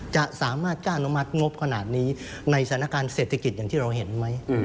จะสามารถจะอนุมัติงบขนาดนี้ในสถานการณ์เศรษฐกิจอย่างที่เราเห็นไหม